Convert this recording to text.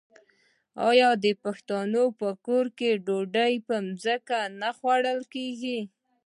آیا د پښتنو په کور کې ډوډۍ په ځمکه نه خوړل کیږي؟